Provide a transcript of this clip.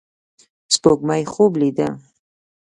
سپوږمۍ خوب لیدې